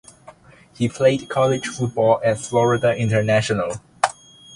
He played college football at Florida International.